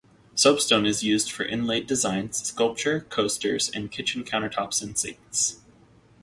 Soapstone is used for inlaid designs, sculpture, coasters, and kitchen countertops and sinks.